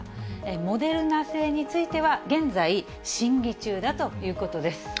モデルナ製については、現在、審議中だということです。